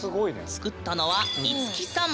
作ったのはいつきさん。